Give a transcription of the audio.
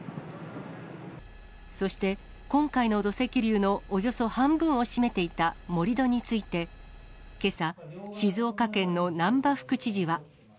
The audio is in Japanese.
そして、今回の土石流のおよそ半分を占めていた盛り土について、けさ、静岡県の難波副知事は。